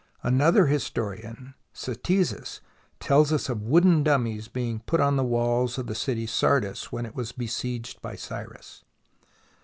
Another historian, Ctesias, tells of wooden dummies being put on the walls of the city Sardis when it was besieged by Cyrus.